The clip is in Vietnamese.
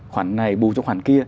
khoản này bù cho khoản kia